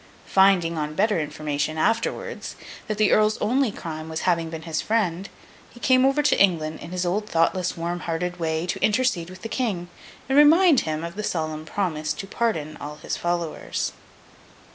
Finding, on better information, afterwards, that the Earl's only crime was having been his friend, he came over to England, in his old thoughtless, warm hearted way, to intercede with the King, and remind him of the solemn promise to pardon all his followers.